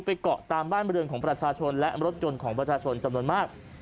เกาะตามบ้านบริเวณของประชาชนและรถยนต์ของประชาชนจำนวนมาก